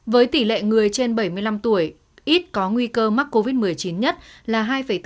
với tỷ lệ người trên bảy mươi năm tuổi ít có nguy cơ mắc covid một mươi chín nhất là hai bốn